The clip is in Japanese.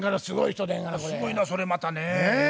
すごいなそれまたね。